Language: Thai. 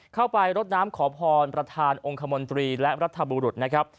เข้าไปรดน้ำขอพรประธานองค์คมนตรีและรัฐบุรุษนะครับ